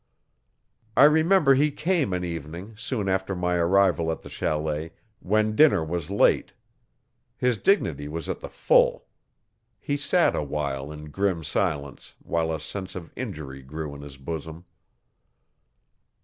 I remember he came an evening, soon after my arrival at the chalet, when dinner was late. His dignity was at the full. He sat awhile in grim silence, while a sense of injury grew in his bosom.